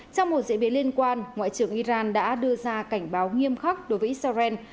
trong một diễn biến liên quan ngoại trưởng iran đã đưa ra cảnh báo nghiêm khắc đối với israel